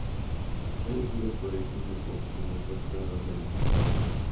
Fue elegido por el público como mejor jugador de la temporada.